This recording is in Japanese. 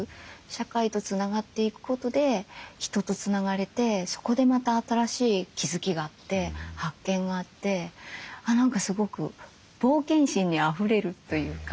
社会とつながっていくことで人とつながれてそこでまた新しい気付きがあって発見があって何かすごく冒険心にあふれるというか。